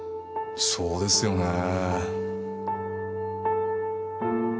そうですよねぇ。